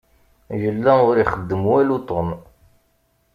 Yella ur ixeddem walu Tom.